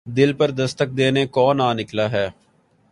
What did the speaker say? دل پر دستک دینے کون آ نکلا ہے